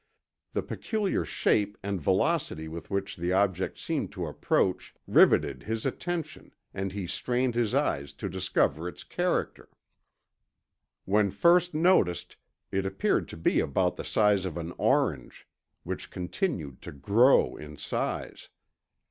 The peculiar shape and velocity with which the object seemed to approach riveted his attention and he strained his eves to discover its character. When first noticed, it appeared to be about the size of an orange, which continued to grow in size.